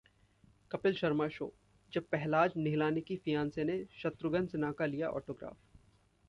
Kapil Sharma Show: जब पहलाज निहलानी की fiance ने शत्रुघ्न सिन्हा का लिया ऑटोग्राफ